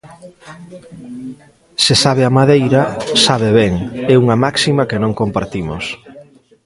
Se sabe a madeira, sabe ben, é unha máxima que non compartimos.